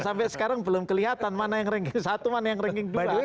sampai sekarang belum kelihatan mana yang ranking satu mana yang ranking dua